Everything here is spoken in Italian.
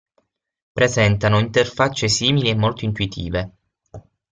Presentano interfacce simili e molto intuitive.